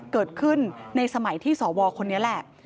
เกิดขึ้นในสมัยที่สวคนนี้แหละ